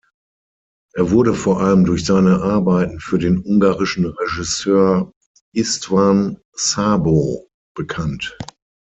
Er wurde vor allem durch seine Arbeiten für den ungarischen Regisseur István Szabó bekannt.